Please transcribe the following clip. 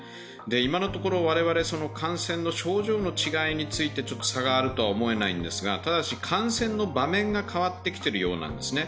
今のところ、我々感染の症状の違いについて差があるとは思えないんですが、ただし感染の場面が変わってきているようなんですね。